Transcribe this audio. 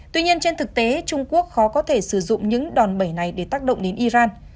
tuy nhiên trên thực tế trung quốc khó có thể sử dụng những đòn bẩy này để tác động đến iran